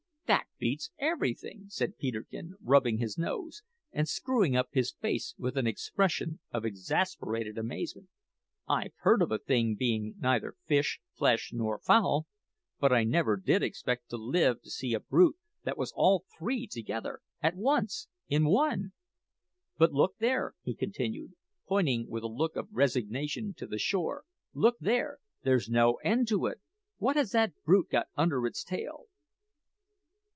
"That beats everything!" said Peterkin, rubbing his nose, and screwing up his face with an expression of exasperated amazement. "I've heard of a thing being neither fish, flesh, nor fowl; but I never did expect to live to see a brute that was all three together at once in one! But look there!" he continued, pointing with a look of resignation to the shore "look there! there's no end to it. What has that brute got under its tail?"